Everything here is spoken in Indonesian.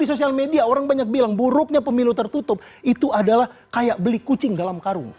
di sosial media orang banyak bilang buruknya pemilu tertutup itu adalah kayak beli kucing dalam karung